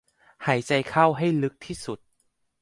หายใจเข้าให้ลึกที่สุด